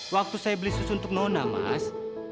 waktu saya beli susu untuk nona mas